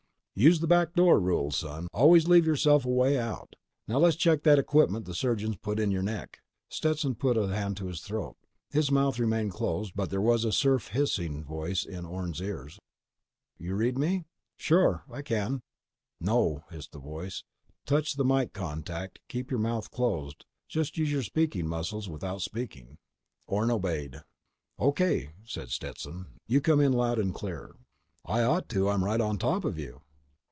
"Use the back door rule, son. Always leave yourself a way out. Now ... let's check that equipment the surgeons put in your neck." Stetson put a hand to his throat. His mouth remained closed, but there was a surf hissing voice in Orne's ears: "You read me?" "Sure. I can—" "No!" hissed the voice. "Touch the mike contact. Keep your mouth closed. Just use your speaking muscles without speaking." Orne obeyed. "O.K.," said Stetson. "You come in loud and clear." "I ought to. I'm right on top of you!"